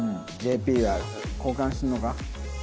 ＪＰは交換してるのか？